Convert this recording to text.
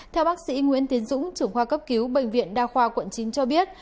theo bác sĩ nguyễn tiến dũng trưởng khoa cấp cứu bệnh viện đa khoa quận chín cho biết